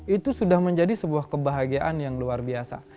itu sudah menjadi sebuah kebahagiaan yang luar biasa